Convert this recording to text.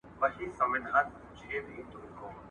جهاني شپې مي کړې سپیني توري ورځي مي راوړي .